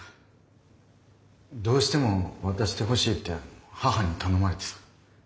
どうしても渡してほしいって母に頼まれてさ。